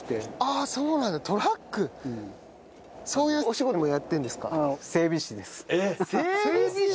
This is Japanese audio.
そういうお仕事もやってるんですか？